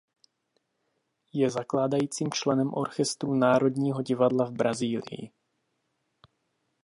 Je zakládajícím členem Orchestru Národního divadla v Brazílii.